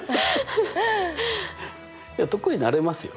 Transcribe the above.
いや得意になれますよ。